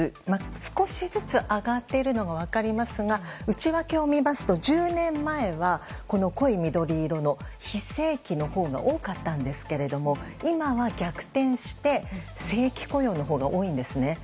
少しずつ上がっているのが分かりますが内訳を見ますと１０年前は濃い緑色の非正規のほうが多かったんですけれども今は逆転して正規雇用のほうが多いんですね。